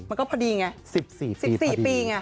มันก็พอดีไง๑๔ปีไง